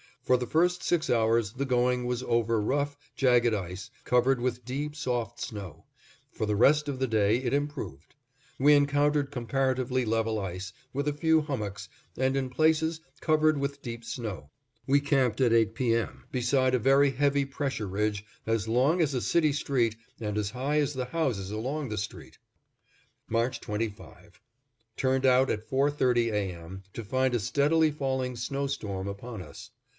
For the first six hours the going was over rough, jagged ice, covered with deep, soft snow; for the rest of the day it improved. We encountered comparatively level ice, with a few hummocks, and in places covered with deep snow. We camped at eight P. M., beside a very heavy pressure ridge as long as a city street and as high as the houses along the street. March 25: Turned out at four thirty A. M., to find a steadily falling snow storm upon us.